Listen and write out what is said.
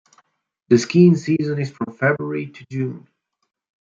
The skiing season is from February to June.